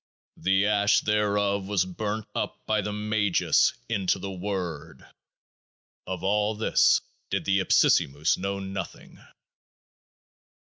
The Ash thereof was burnt up by the Magus into The Word. Of all this did the Ipsissimus know Nothing.